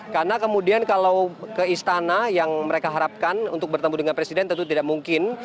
karena kemudian kalau ke istana yang mereka harapkan untuk bertemu dengan presiden tentu tidak mungkin